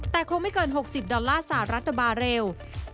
แต่คงไม่เกิน๖๐ดอลลาร์สหรัฐบาเร็ว